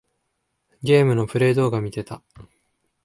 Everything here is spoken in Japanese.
ゲームのプレイ動画みてた。